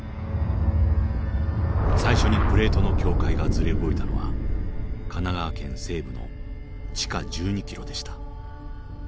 最初にプレートの境界がずれ動いたのは神奈川県西部の地下１２キロでした。